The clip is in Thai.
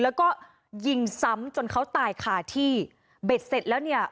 แล้วก็ยิงซ้ำจนเขาตายคาที่เบ็ดเสร็จแล้วเนี่ย